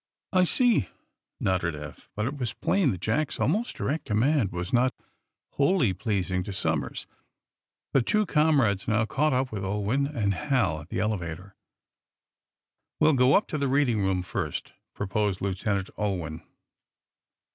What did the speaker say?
"I see," nodded Eph, but it was plain that Jack's almost direct command was not wholly pleasing to Somers. The two comrades now caught up with Ulwin and Hal at the elevator. "We'll go up to the reading room, first," proposed Lieutenant Ulwin.